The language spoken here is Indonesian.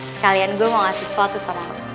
sekalian gue mau ngasih suatu sama roman